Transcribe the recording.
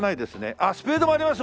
あっスペードもありますわ。